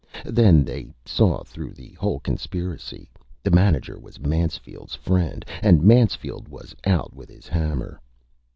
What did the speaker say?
Then They saw through the whole Conspiracy. The Manager was Mansfield's Friend and Mansfield was out with his Hammer.